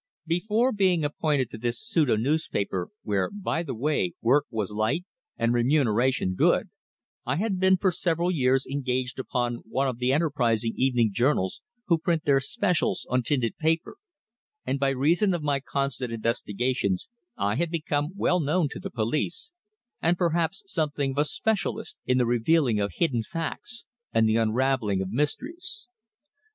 Before being appointed to this pseudo newspaper, where, by the way, work was light and remuneration good, I had been for several years engaged upon one of those enterprising evening journals who print their "specials" on tinted paper, and by reason of my constant investigations I had become well known to the police, and perhaps something of a specialist in the revealing of hidden facts and the unravelling of mysteries.